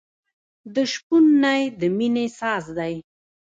د شپون نی د مینې ساز دی.